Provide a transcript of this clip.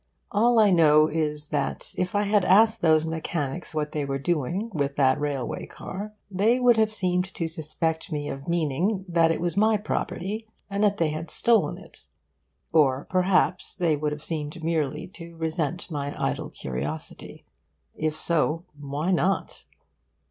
All I know is that if I had asked those mechanics what they were doing with that railway car they would have seemed to suspect me of meaning that it was my property and that they had stolen it. Or perhaps they would have seemed merely to resent my idle curiosity. If so, why not?